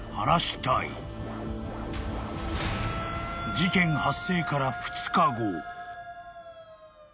［事件発生から２日後］